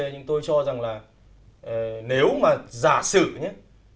nhưng tôi cho rằng là nếu mà giả sử nhé